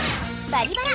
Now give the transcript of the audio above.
「バリバラ」！